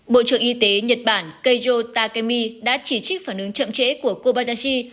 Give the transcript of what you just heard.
bộ trưởng y tế nhật bản keijo takemi đã chỉ trích phản ứng chậm trễ của kobayashi